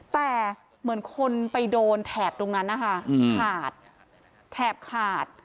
แต่เหมือนคนไปโดนแถบตรงนั้นนะคะขาดแถบขาด